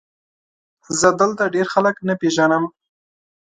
زه دلته ډېر خلک نه پېژنم ؟